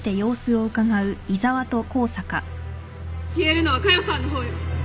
消えるのは佳代さんの方よ。